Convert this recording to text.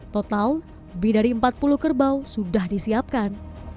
total lebih dari empat puluh kerbau sudah disiapkan